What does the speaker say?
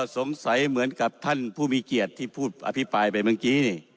สงสัยเหมือนกับท่านผู้มีเกียรตินี่พูดอธิบายไป